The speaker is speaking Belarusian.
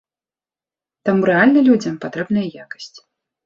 Таму рэальна людзям патрэбная якасць.